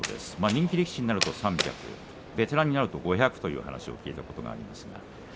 人気力士になると３００ベテランになると５００という話を聞いたことがあります。